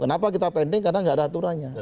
kenapa kita pending karena nggak ada aturannya